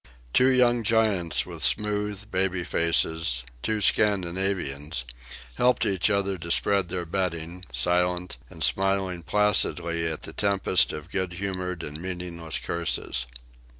Two young giants with smooth, baby faces two Scandinavians helped each other to spread their bedding, silent, and smiling placidly at the tempest of good humoured and meaningless curses.